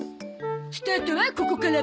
スタートはここから！